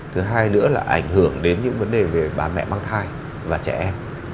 thứ hai nữa là ảnh hưởng đến những vấn đề về bà mẹ mang thai và trẻ em